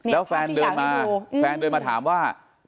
แล้วแฟนเดิมมาถามว่า